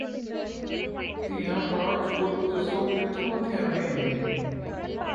ਧੀਆਂ ਬਾਝ ਪੁੱਤ ਦੱਸੋ ਕਿਥੋਂ ਥਿਆਣੇ ਨੇ